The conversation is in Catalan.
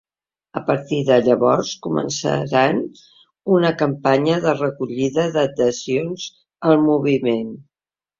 A partir de llavors, començaran una campanya de recollida d’adhesions al moviment.